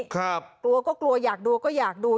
กลัวก็กลัวอยากดูก็อยากดู